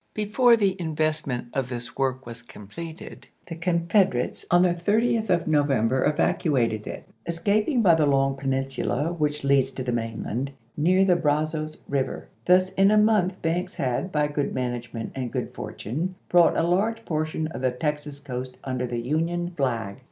Before the investment of this work was completed, the Confederates on the 30th of No 288 ABKAHAM LINCOLN CHAP. XI. vember evacuated it, escaping by the long pen 1863. insula which leads to the mainland near the Brazos River. Thus in a month Banks had, by good manage ment and good fortune, brought a large portion of the Texas coast under the Union flag.